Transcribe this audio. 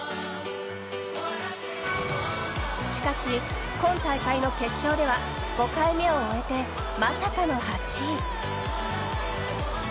しかし、今大会の決勝では５回目を終えてまさかの８位。